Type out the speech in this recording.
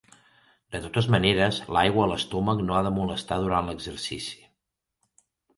De totes maneres l'aigua a l'estómac no ha de molestar durant l'exercici.